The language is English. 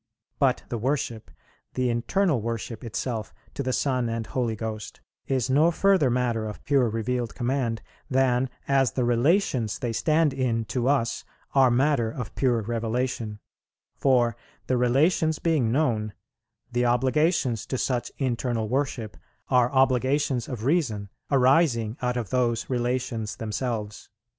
. but the worship, the internal worship itself, to the Son and Holy Ghost, is no further matter of pure revealed command than as the relations they stand in to us are matter of pure revelation; for, the relations being known, the obligations to such internal worship are obligations of reason, arising out of those relations themselves."